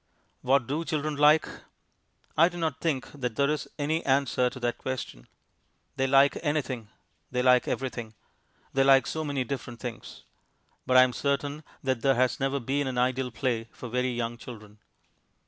What do children like? I do not think that there is any answer to that question. They like anything; they like everything; they like so many different things. But I am certain that there has never been an ideal play for very young children.